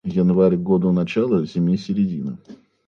Январь - году начало, зиме середина.